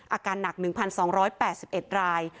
อาการหนัก๑๒๘๑ราย